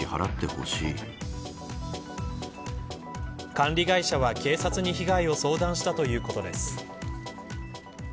管理会社は警察に被害を相談したということです。